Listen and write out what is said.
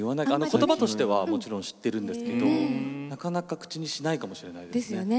言葉としてはもちろん知ってるんですけどなかなか口にしないかもしれないですね。ですよね。